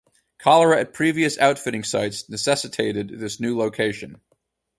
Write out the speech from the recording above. Cholera at previous outfitting sites necessitated this new location.